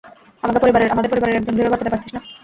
আমাকে পরিবারের একজন ভেবে বাঁচাতে পারছিস না?